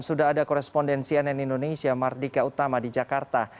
sudah ada korespondensi ann indonesia mardika utama di jakarta